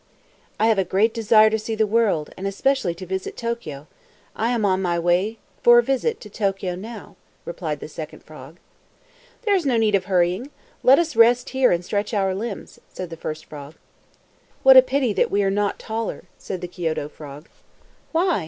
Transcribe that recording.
"I have a great desire to see the world, and especially to visit Tokio. I am on my way for a visit to Tokio now," replied the second frog. "There is no need of hurrying. Let us rest here and stretch our limbs," said the first frog. "What a pity that we are not taller!" said the Kioto frog. "Why?"